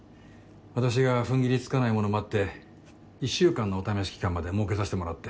私が踏ん切りつかないのもあって１週間のお試し期間まで設けさせてもらって。